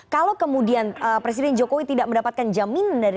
kalau kemudian presiden jokowi tidak mendapatkan jaminan dari